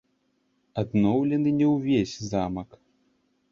Адноўлены не ўвесь замак.